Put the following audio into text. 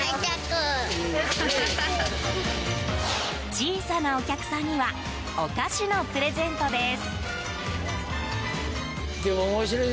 小さなお客さんにはお菓子のプレゼントです。